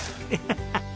ハハハ！